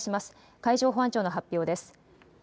海上保安庁の発表です。